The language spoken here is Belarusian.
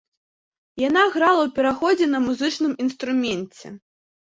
Яна грала ў пераходзе на музычным інструменце.